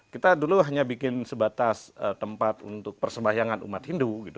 kita dulu hanya bikin sebatas tempat untuk persembahyangan umat hindu gitu